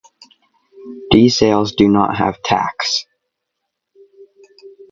These sails do not have tacks.